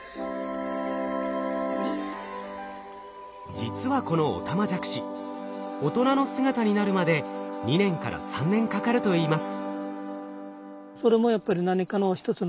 実はこのオタマジャクシ大人の姿になるまで２年から３年かかるといいます。